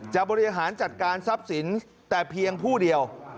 บริหารจัดการทรัพย์สินแต่เพียงผู้เดียว